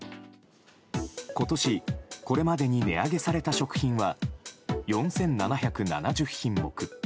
今年これまでに値上げされた食品は４７７０品目。